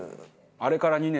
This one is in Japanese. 「あれから２年」。